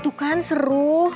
itu kan seru